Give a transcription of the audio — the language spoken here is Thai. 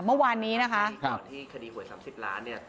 เมื่อวานนี้นะคะครับตอนที่คดีหวยสามสิบล้านเนี้ย